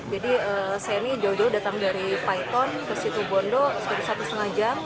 jadi saya ini jauh jauh datang dari paiton ke situwondo sekitar satu setengah jam